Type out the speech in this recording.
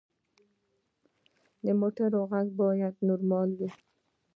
د موټر غږ باید نارمل وي.